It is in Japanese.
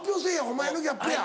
お前のギャップや。